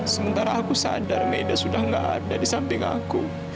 sementara aku sadar media sudah tidak ada di samping aku